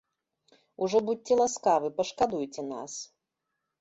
Ужо будзьце ласкавы, пашкадуйце нас.